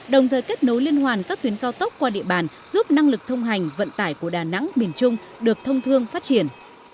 đồng thời kết nối liên hoàn các tuyến cao tốc qua địa bàn giúp năng lực thông hành vận tải của đà nẵng miền trung được thông thương phát triển